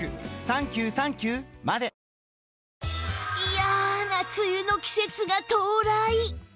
嫌な梅雨の季節が到来